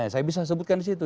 saya bisa sebutkan disitu